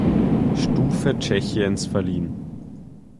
Stufe Tschechiens verliehen.